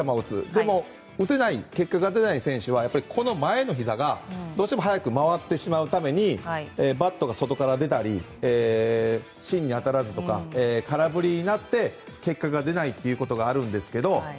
でも打てない、結果が出ない選手は前のひざが、どうしても早く回ってしまうためにバットが外から出たり芯に当たらずとか空振りになって結果が出ないということがあるんですけど。